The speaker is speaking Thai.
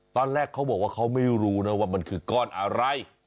ตอนแรกเขาบอกว่าเขาไม่รู้นะว่ามันคือก้อนอะไร